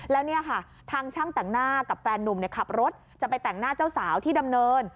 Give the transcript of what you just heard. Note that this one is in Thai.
แล้วเนี่ยค่ะทางช่างแต่งหน้ากับแฟนนุ่มขับรถจะไปแต่งหน้าเจ้าสาวที่ดำเนิน